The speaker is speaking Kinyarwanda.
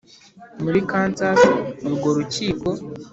muri Kansas Urwo rukiko